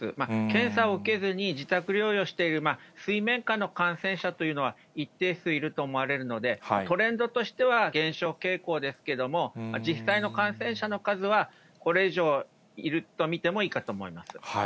検査を受けずに自宅療養している、水面下の感染者というのは、一定数いると思われるので、トレンドとしては、減少傾向ですけども、実際の感染者の数は、これ以上いると見てもいいかと思います。